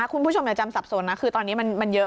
คุณผู้ชมอย่าจำสับสนนะคือตอนนี้มันเยอะ